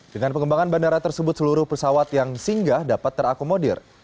dengan pengembangan bandara tersebut seluruh pesawat yang singgah dapat terakomodir